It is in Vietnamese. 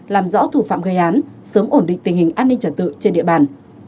làm rõ thủ phạm gây án sớm ổn định tình hình an ninh trả tự trên địa bàn